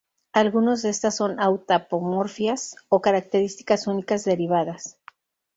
Algunos de estos son autapomorfias, o características únicas derivadas.